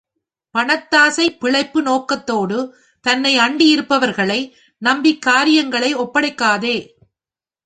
பணத்தாசை பிழைப்பு நோக்கத்தோடு தன்னை அண்டியிருப்பவர்களை நம்பி காரியங்களை ஒப்படைக்காதே!